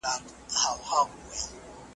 انلاين طبي مشورې د خلکو ګټه زياتوي.